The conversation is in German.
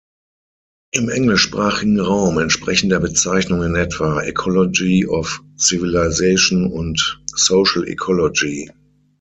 Im englischsprachigen Raum entsprechen der Bezeichnung in etwa „ecology of civilization“ und „social ecology“.